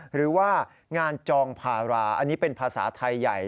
หรือว่างานจองพาราอันนี้เป็นภาษาไทยใหญ่